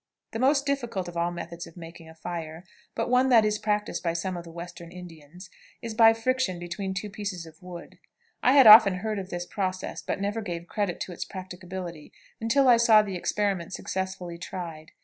The most difficult of all methods of making a fire, but one that is practiced by some of the Western Indians, is by friction between two pieces of wood. I had often heard of this process, but never gave credit to its practicability until I saw the experiment successfully tried.